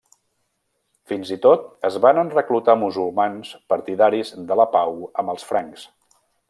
Fins i tot es varen reclutar musulmans partidaris de la pau amb els francs.